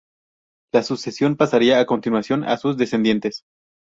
La sucesión pasará a continuación a sus descendientes.